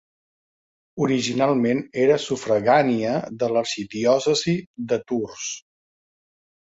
Originalment era sufragània de l'arxidiòcesi de Tours.